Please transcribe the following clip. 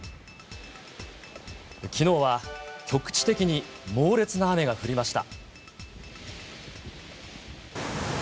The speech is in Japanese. きのうは局地的に猛烈な雨が降りました。